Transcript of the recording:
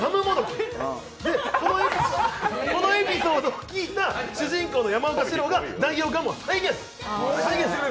で、このエピソードを聞いた主人公の山岡士郎が代用ガムを再現する。